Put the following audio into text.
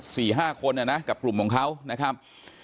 สี่ห้าคนอ่ะนะกับกลุ่มของเขานะครับ